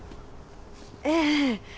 ええ。